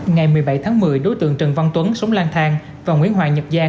ngày một mươi bảy tháng một mươi đối tượng trần văn tuấn sống lang thang và nguyễn hoàng nhật giang